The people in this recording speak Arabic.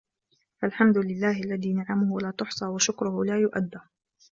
فَالْحَمْدُ لِلَّهِ الَّذِي نِعَمُهُ لَا تُحْصَى وَشُكْرُهُ لَا يُؤَدَّى